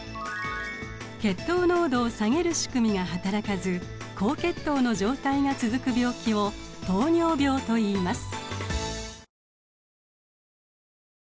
血糖濃度を下げる仕組みが働かず高血糖の状態が続く病気を糖尿病といいます。